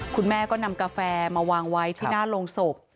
คุณแม่ก็นำกาแฟมาวางไว้ที่หน้าโรงศพ